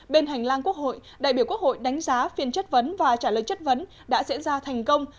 bên hành lang quốc hội đại biểu quốc hội đánh giá phiên chất vấn và trả lời chất vấn đã diễn ra thành công